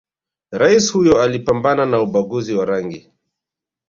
raisi huyo aliipambana na ubaguzi wa rangi